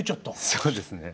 そうですね。